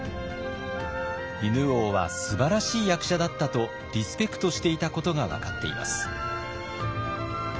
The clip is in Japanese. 犬王はすばらしい役者だったとリスペクトしていたことが分かっています。